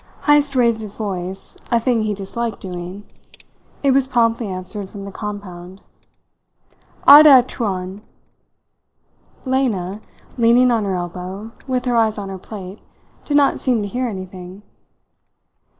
Heyst raised his voice a thing he disliked doing. It was promptly answered from the compound: "Ada tuan!" Lena, leaning on her elbow, with her eyes on her plate, did not seem to hear anything.